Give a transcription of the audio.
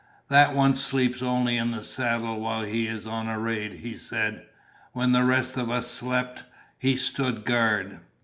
"That one sleeps only in the saddle while he is on a raid!" he said. "When the rest of us slept, he stood guard!"